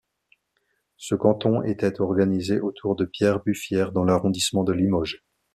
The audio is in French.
Ce canton était organisé autour de Pierre-Buffière dans l'arrondissement de Limoges.